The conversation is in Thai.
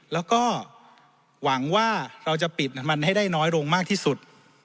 แล้วก็หวังว่าเราจะปิดมันให้ได้น้อยลงมากที่สุด